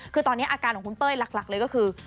คือตอนนี้อาการของคุณเป้ยหลักเลยก็คือ